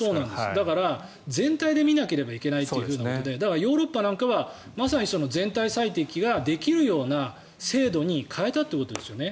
だから、全体で見なければいけないということでだからヨーロッパなんかはまさに全体最適ができるような制度に変えたということですよね。